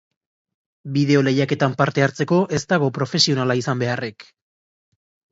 Bideo lehiaketan parte hartzeko ez dago profesionala izan beharrik.